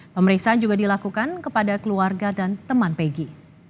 pemeriksaan juga dilakukan kepada keluarga dan teman peggy